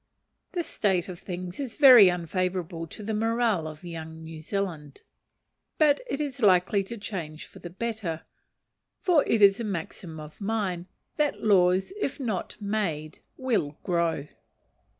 This state of things is very unfavourable to the morale of Young New Zealand; but it is likely to change for the better, for it is a maxim of mine that "laws, if not made, will grow."